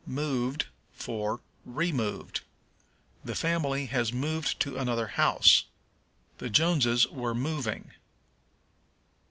Moved for Removed. "The family has moved to another house." "The Joneses were moving."